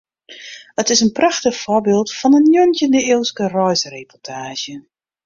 It is in prachtich foarbyld fan in njoggentjinde-iuwske reisreportaazje.